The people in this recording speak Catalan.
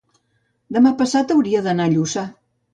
demà passat hauria d'anar a Lluçà.